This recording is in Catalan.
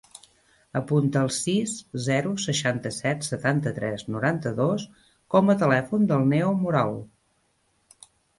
Apunta el sis, zero, seixanta-set, setanta-tres, noranta-dos com a telèfon del Neo Moral.